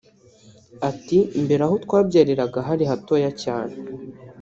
Ati “ Mbere aho twabyariraga hari hatoya cyane